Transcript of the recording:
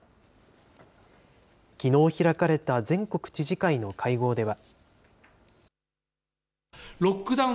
きのう開かれた全国知事会の会合では。